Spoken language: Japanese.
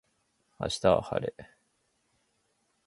明日は晴れ